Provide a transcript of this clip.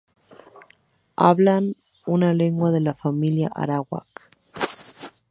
Hablan una legua de la familia arawak.